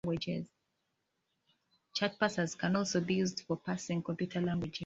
Chart parsers can also be used for parsing computer languages.